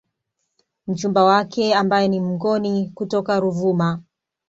Mchumba wake ambaye ni Mngoni kutoka Ruvuma